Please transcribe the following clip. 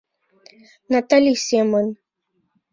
Натали семын.